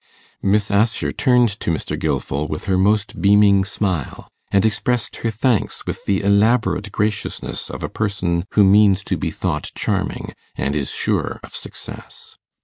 Miss Assher turned to Mr. Gilfil with her most beaming smile, and expressed her thanks with the elaborate graciousness of a person who means to be thought charming, and is sure of success.